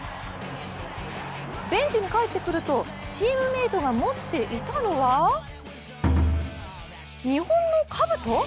ベンチに帰ってくるとチームメートが持っていたのは日本のかぶと！？